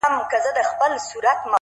باور د اړیکو ساه ده!